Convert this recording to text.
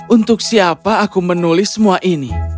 untuk siapa aku menulis semua ini